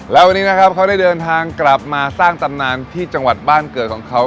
แล้ววันนี้นะครับเขาได้เดินทางกลับมาสร้างตำนานที่จังหวัดบ้านเกิดของเขา